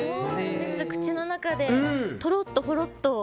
口の中でとろっと、ほろっと。